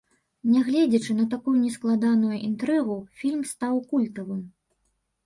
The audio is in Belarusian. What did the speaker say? Нягледзячы на такую нескладаную інтрыгу, фільм стаў культавым.